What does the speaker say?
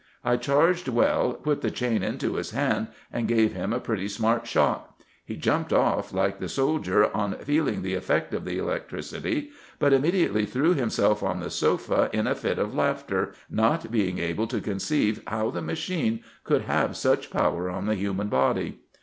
I charged well, put the chain into his hand, and gave him a pretty smart shock. He jumped off, like the soldier, on feeling the effect of the electricity ; but immediately threw himself on the sofa in a fit of laughter, not being able to con ceive how the machine could have such power on the human body.